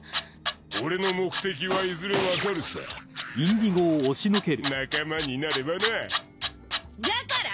俺の目的はいずれ分かるさ仲間になればなだから！